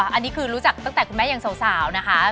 อันนี้คือรู้จักตั้งแต่คุณแม่ยังสาวนะคะ